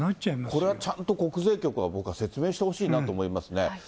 これはちゃんと国税局は、僕は説明してほしいなと思いますね。